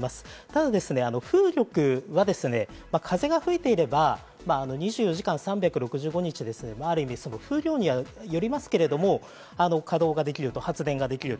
なので、風力は風が吹いていれば２４時間３６５日、ある意味、風量によりますけれど、稼働ができる、発電ができる。